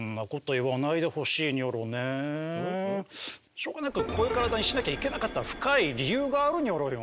しょうがなくこういう体にしなきゃいけなかった深い理由があるニョロよ。